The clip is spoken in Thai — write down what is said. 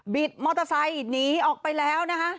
มอเตอร์ไซค์หนีออกไปแล้วนะคะ